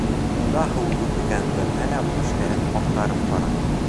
Унда һыу юҡ икәнен белһә лә, биштәрен аҡтарып ҡараны.